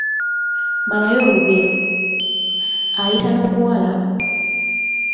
Malayo olugero; Ayita n’omuwala, ……